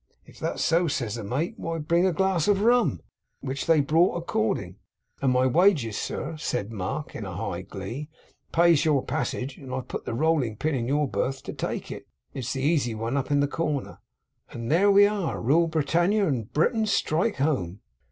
"If that's so," says the mate, "why, bring a glass of rum;" which they brought according. And my wages, sir,' said Mark in high glee, 'pays your passage; and I've put the rolling pin in your berth to take it (it's the easy one up in the corner); and there we are, Rule Britannia, and Britons strike home!